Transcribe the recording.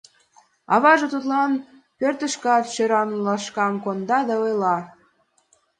Аваже тудлан пӧртышкак шӧран лашкам конда да ойла: